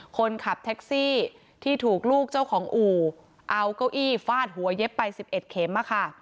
คนขับแท็กซี่ที่ถูกลูกเจ้าของอู่เอาเก้าอี้ฟาดหัวเย็บไป๑๑เข็ม